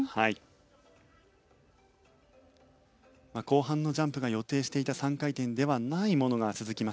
後半のジャンプが予定していた３回転ではないものが続きました。